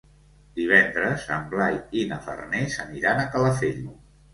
Divendres en Blai i na Farners aniran a Calafell.